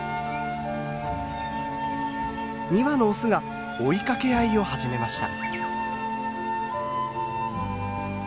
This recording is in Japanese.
２羽のオスが追いかけ合いを始めました。